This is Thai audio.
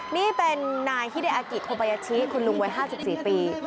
นี่เป็นนายฮิเดอากิโคบายาชิคุณลุงวัย๕๔ปี